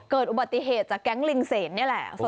เกิดอุบัติเหตุจากแก๊งลิงเสนนี่แหละ